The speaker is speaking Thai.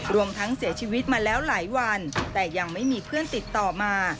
รวมทั้งเสียชีวิตมาแล้วหลายวันแต่ยังไม่มีเพื่อนติดต่อมา